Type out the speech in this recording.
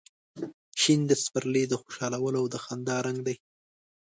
شین د سپرلي د خوشحالو او د خندا رنګ